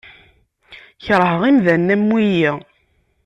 Kerheɣ imdanen am wiyi.